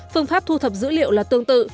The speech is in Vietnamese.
phương pháp thu thập dữ liệu là tương tự